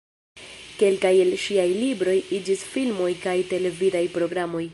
Kelkaj el ŝiaj libroj iĝis filmoj kaj televidaj programoj.